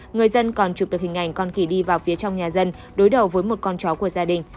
người dân còn chụp được hình ảnh con khỉ đi vào phía trong nhà dân đối đầu với một con chó của gia đình